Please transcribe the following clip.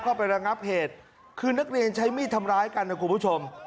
ระงับเหตุคือนักเรียนใช้มีดทำร้ายกันนะคุณผู้ชม